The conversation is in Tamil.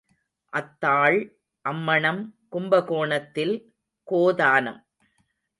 ஆத்தாள் அம்மணம் கும்பகோணத்தில் கோதானம்.